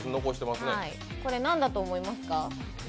これ、なんだと思いますか？